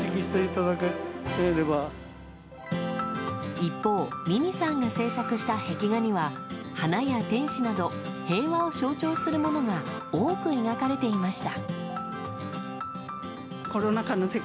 一方美美さんが制作した壁画には花や天使など平和を象徴するものが多く描かれていました。